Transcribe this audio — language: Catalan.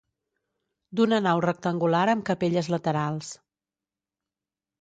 D'una nau rectangular amb capelles laterals.